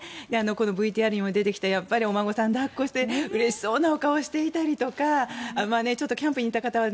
このＶＴＲにも出てきたお孫さんを抱っこしてうれしそうなお顔をしていたりとかちょっとキャンプに行った方は